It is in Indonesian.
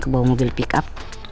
kebawah mobil pickup